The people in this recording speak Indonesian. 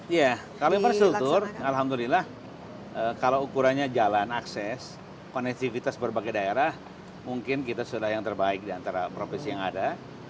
ya kalau infrastruktur alhamdulillah kalau ukurannya jalan akses konektivitas berbagai daerah mungkin kita sudah yang terbaik di antara profesi yang ada